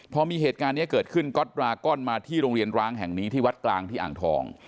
พอมีเหตุการณ์นี้เกิดขึ้นก๊อตบราก้อนมาที่โรงเรียนร้างแห่งนี้ที่วัดกลางที่อ่างทอง